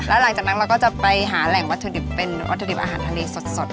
แล้วหลังจากนั้นเราก็จะไปหาแหล่งวัตถุดิบเป็นวัตถุดิบอาหารทะเลสด